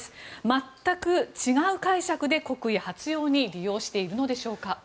全く違う解釈で、国威発揚に利用しているのでしょうか。